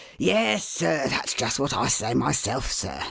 " Yes, sir ! That's just what I say myself, sir.